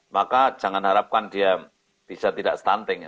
maka jangan harapkan dia bisa tidak stunting